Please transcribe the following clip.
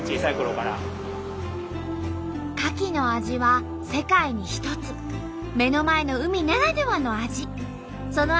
かきの味は世界に一つ目の前の海ならではの味。